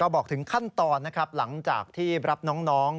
บอกถึงขั้นตอนนะครับหลังจากที่รับน้อง